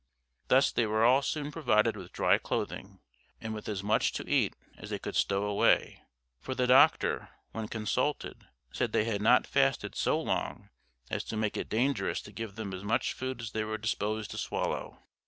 Thus they were all soon provided with dry clothing, and with as much to eat as they could stow away; for the doctor, when consulted, said they had not fasted so long as to make it dangerous to give them as much food as they were disposed to swallow.